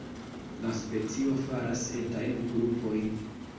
La specio faras etajn grupojn.